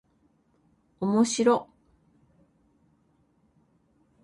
おもしろっ